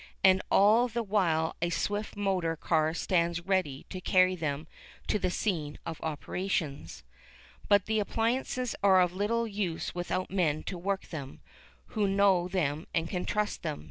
And all the while a swift motor car stands ready to carry them to the scene of operations. But the appliances are of little use without men to work them, who know them and can trust them.